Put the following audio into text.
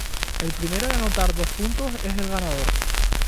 El primero en anotar dos puntos es el ganador.